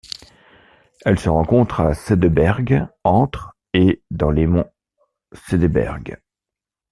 Elle se rencontre à Cederberg entre et dans les monts Cederberg.